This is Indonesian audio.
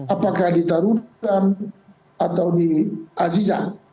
apakah di tarudan atau di aziza